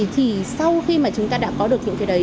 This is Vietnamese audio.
thì sau khi mà chúng ta đã có được hiệu thế đấy